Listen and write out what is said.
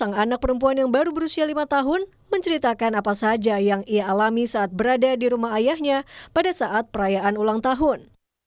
sang anak perempuan yang baru berusia lima tahun menceritakan apa saja yang ia alami saat berada di rumah ayahnya pada saat perayaan ulang tahun